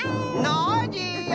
ノージーよ。